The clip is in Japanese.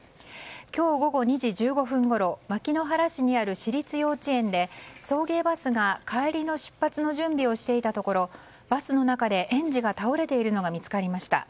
今日午後２時１５分ごろ牧之原市にある市立幼稚園で送迎バスが帰りの出発の準備をしていたところバスの中で園児が倒れているのが見つかりました。